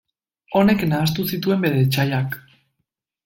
Honek nahastu zituen bere etsaiak.